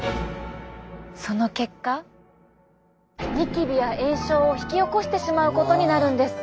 その結果ニキビや炎症を引き起こしてしまうことになるんです。